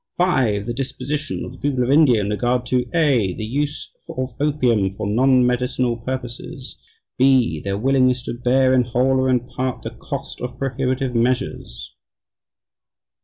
(5) The disposition of the people of India in regard to (a) the use of opium for non medical purposes; (b) their willingness to bear in whole or in part the cost of prohibitive measures."